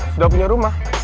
sudah punya rumah